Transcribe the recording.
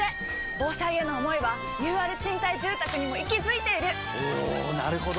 防災への想いはＵＲ賃貸住宅にも息づいているおなるほど！